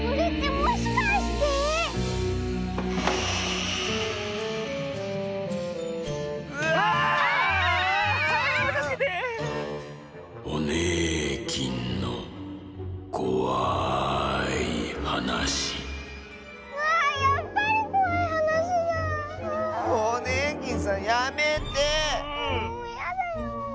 もうやだよ。